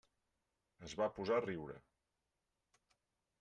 Es va posar a riure.